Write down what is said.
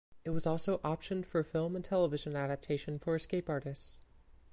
It was also optioned for film and television adaptation for Escape Artists.